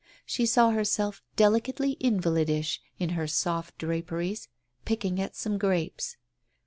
She saw herself delicately invalidish, in her soft draperies, picking at some grapes.